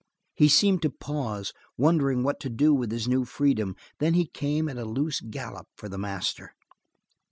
He seemed to pause, wondering what to do with his new freedom, then he came at a loose gallop for the master.